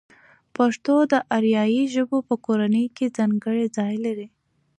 پښتو د آریایي ژبو په کورنۍ کې ځانګړی ځای لري.